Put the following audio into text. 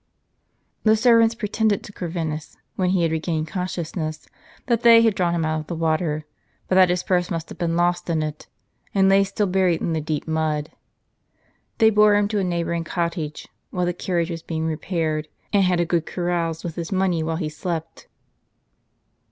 The servants pre tended to Corvinus, when he had regained consciousness, that they had drawn him out of the water, but that his purse must have been lost in it, and lay still buried in the deep mud. They bore him to a neighboring cottage, while the carriage was being repaired, and had a good carouse with his money while he slept.